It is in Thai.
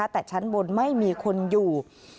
แต่ชั้นบนไม่มีคนอยู่